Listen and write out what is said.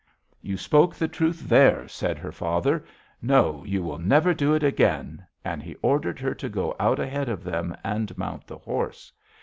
"'You spoke the truth there,' said her father. 'No, you will never do it again!' And he ordered her to go out ahead of them and mount the horse.